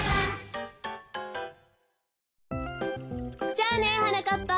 じゃあねはなかっぱ。